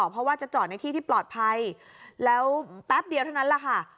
เพราะว่าจะจอดในที่ที่ปลอดภัยแล้วแป๊บเดียวเท่านั้นแหละค่ะ